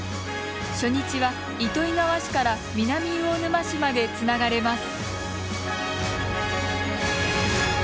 初日は糸魚川市から南魚沼市までつながれます。